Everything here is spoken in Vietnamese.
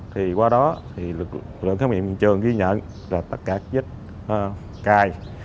vì qua đó lực lượng khám nghiệm trường ghi nhận là tất cả dịch cài